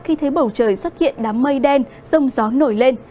khi thấy bầu trời xuất hiện đám mây đen rông gió nổi lên